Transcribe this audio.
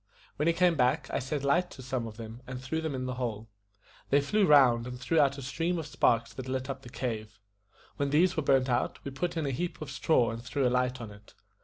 When he came back, I set light to some of them, and threw them in the hole. They flew round, and threw out a stream of sparks that lit up the cave. When these were burnt out, we put in a heap of straw and threw a light on it.